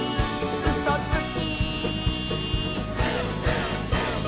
「うそつき！」